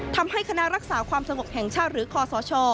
ทำให้คณะรักษาความสงบแห่งชาติหรือคอสช